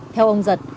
theo ông giật